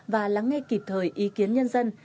và lắng nghe kịp thời ý kiến nhân dân